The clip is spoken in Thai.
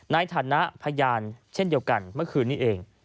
ในฐานะพยานเช่นเดียวกันเมื่อคืนนี้เอง